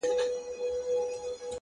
نظم د سترو پلانونو بنسټ جوړوي